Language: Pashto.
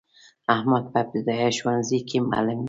احمد په ابتدایه ښونځی کی معلم دی.